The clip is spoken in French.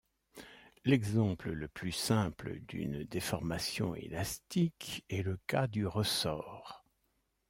L'exemple le plus simple d'une déformation élastique est le cas du ressort.